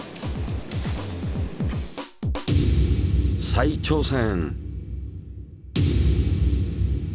再挑戦！